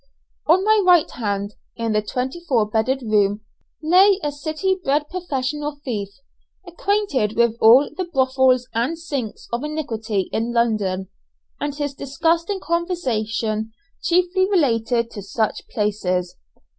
On my right hand, in the twenty four bedded room, lay a city bred professional thief, acquainted with all the brothels and sinks of iniquity in London, and his disgusting conversation chiefly related to such places.